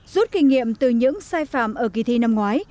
rút kinh nghiệm từ những sai phạm ở kỳ thi năm ngoái